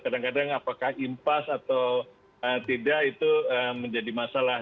kadang kadang apakah impas atau tidak itu menjadi masalah